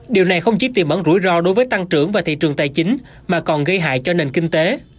điều này không chỉ tìm ẩn rủi ro đối với tăng trưởng và thị trường tài chính mà còn gây hại cho nền kinh tế